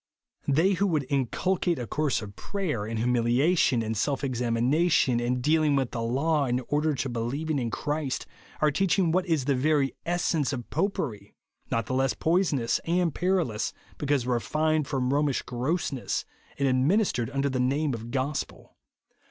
They who would inculcate a course of prayer, and humiha tion, and self examination, and dealing with the law, in order to believing in Christ, are teaching what is the very essence of Popery ; not the less poisonous and peril ous, because refined from Romish gross ness, and administered under the name of gospel.